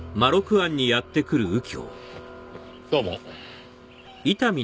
どうも。